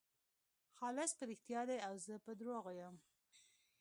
خالص په رښتیا دی او زه په درواغو یم.